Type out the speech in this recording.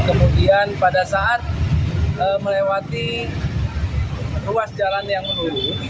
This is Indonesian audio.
kemudian pada saat melewati ruas jalan yang menurun